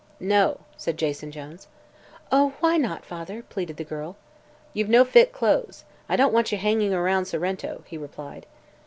"No," said Jason Jones. "Oh, why not, father?" pleaded the girl. "You've no fit clothes. I don't want you hanging around Sorrento," he replied.